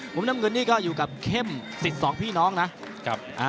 มุมน้ำเงินนี่ก็อยู่กับเข้ม๑๒พี่น้องนะ